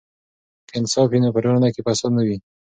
که انصاف وي نو په ټولنه کې فساد نه وي.